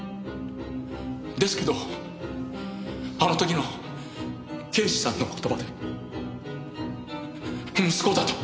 ですけどあの時の刑事さんの言葉で息子だと！